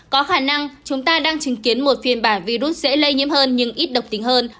có khả năng chúng ta đang chứng kiến một phiên bản virus dễ lây nhiễm hơn nhưng ít độc tính hơn